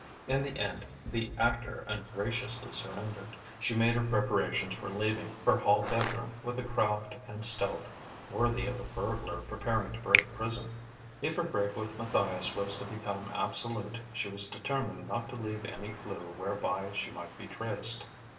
In the end the actor ungraciously surrendered. She made her preparations for leaving her hall bedroom with a craft and stealth worthy of a burglar preparing to break prison. If her break with Matthias was to become absolute, she was determined not to leave any clue whereby she might be traced.